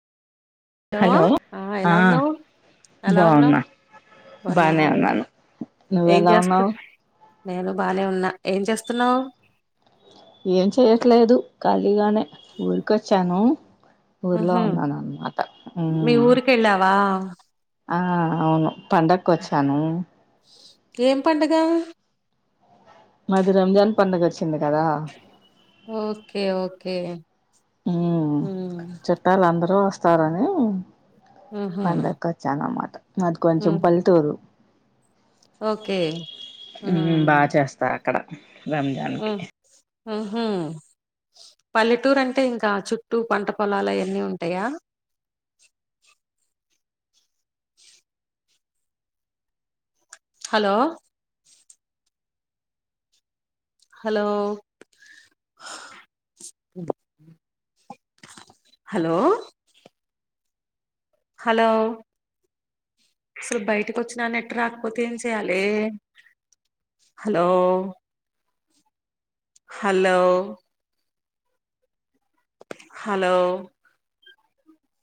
hello ఆ ఎలా ఉన్నావు ఎలా ఉన్నావు బాగున్నా బానే ఉన్నాను ఏం నువ్వెలా జేస్తు ఉన్నావు నేను బానే ఉన్నా ఏం చేస్తున్నావు ఏం చెయట్లేదు ఖాళీగానే ఊరికొచ్చాను ఊర్లో ఉహు ఉన్నాన్మాట ఉ మీ ఊరికి వెళ్ళావా ఆ ఆ అవును పండక్ ఓచ్చాను ఏం పండగ మది రమజాన్ పండుగా అచ్ ఓకే ఓకే ఉమ్ ఉమ్ చుట్టాలు అందరూ వస్తారని ఉహు పండక్ ఓచ్చన్ అన్నమాట మాది కొంచం ఉమ్ పల్లెటూరు ఓకే ఉమ్ బా చేస్తార్ అక్కడ రంజాన్ కి ఉ హు పల్లెటూరు అంటే ఇంకా చుట్టూ పంట పొలాలు అయన్నీ ఉంటాయా హలో హలో హలో హలో అసలు బయటక్ ఓచ్చినాన నెట్ రాకపోతే ఏం చెయాలే హలో హలో హలో